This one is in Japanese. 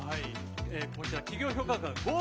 こちら企業評価額が５億。